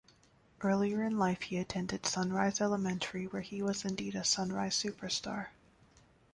Earlier in life he attended Sunrise Elementary where he was indeed a Sunrise Superstar.